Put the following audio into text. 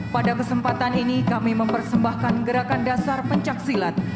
pada kesempatan ini kami mempersembahkan gerakan dasar pencaksilat